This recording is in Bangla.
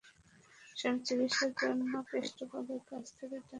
স্বামীর চিকিৎসার জন্য কেষ্টপদের কাছ থেকে টাকা ধার নেয় স্ত্রী বুলু।